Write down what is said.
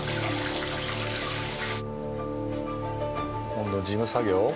今度事務作業？